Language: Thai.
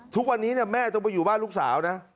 ทุกวันนี้แม่ต้องไปอยู่บ้านลูกสาวนะ